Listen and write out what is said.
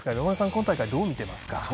今大会は、どう見ていますか？